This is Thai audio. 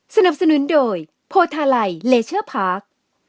สนับสนุนโดยโพทาไลเลเชอร์พาร์ค